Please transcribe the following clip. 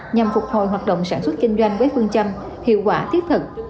nhằm phục hồi hoạt động sản xuất kinh doanh với phương châm hiệu quả thiết thực